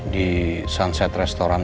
di sunset restaurant